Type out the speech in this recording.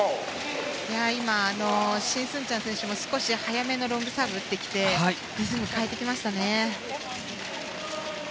今はシン・スンチャン選手も少し早めのロングサーブを打ってきてリズムを変えてきましたね。